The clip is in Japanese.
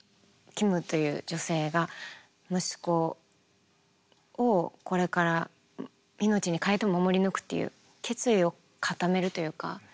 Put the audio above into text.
キムという女性が息子をこれから命に代えても守り抜くっていう決意を固めるというか。